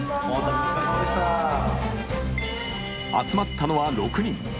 集まったのは６人。